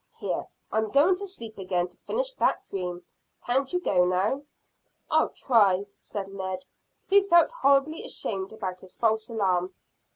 Here, I'm going to sleep again to finish that dream. Can't you go now?" "I'll try," said Ned, who felt horribly ashamed about his false alarm.